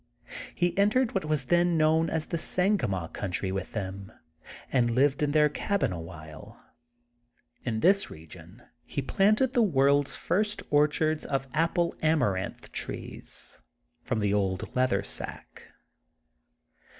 He entered what was then known aq the Sanga maw" Country with them and lived in their cabin a while. In this region he plante<l the THE GOLDEN BOOK OF SPRINGFIELD 48 world's first orchards of Apple Amaranth trees, from the old leather sack.